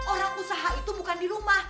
orang usaha itu bukan di rumah